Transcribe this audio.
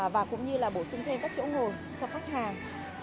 và cũng như là bổ sung thêm các chỗ ngồi cho khách hàng